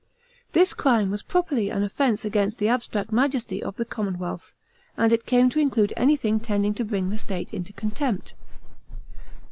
This crime was properly an offence against the abstract majesty of the common wealth, and it came to include anything tending to bring the state into contempt.